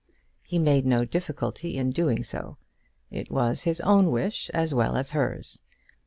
He made no difficulty in doing so. It was his own wish as well as hers.